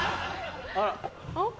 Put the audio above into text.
あら？